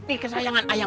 ih kesayangan ayam